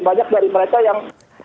banyak dari mereka yang